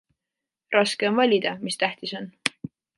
Raske on valida, mis tähtis on.